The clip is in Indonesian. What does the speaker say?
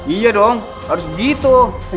iya dong harus begitu